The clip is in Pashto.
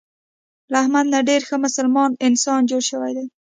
له احمد نه ډېر ښه مسلمان انسان جوړ شوی دی.